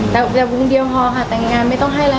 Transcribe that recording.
แต่วงเดียวพอค่ะแต่งงานไม่ต้องให้แล้ว